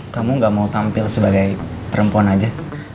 kamu gak mau tampil sebagai perempuan aja